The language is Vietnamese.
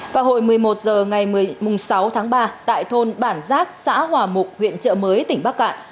vào hồi một mươi một h ngày sáu tháng ba tại thôn bản giác xã hòa mục huyện trợ mới tỉnh bắc cạn